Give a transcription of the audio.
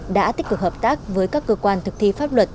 đã tích cực hợp tác với các cơ quan thực thi pháp luật